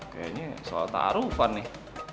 kayaknya salah taruhan nih